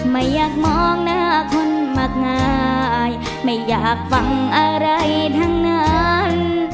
ไม่อยากมองหน้าคนมากมายไม่อยากฟังอะไรทั้งนั้น